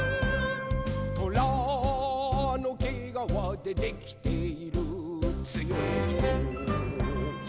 「とらのけがわでできているつよいぞ」